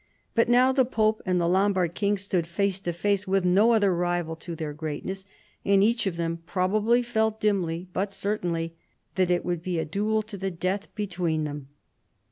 But now the pope and the Lombard king stood face to face with no other rival to their greatness, and each of them probably felt, dimly but certainly, that it would be a duel to the death between them.